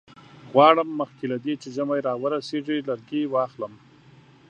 غواړم مخکې له دې چې ژمی را ورسیږي لرګي واخلم.